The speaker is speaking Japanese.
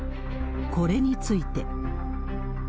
これについて。